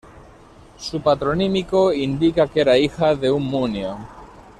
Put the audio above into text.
Su patronímico indica que era hija de un Munio.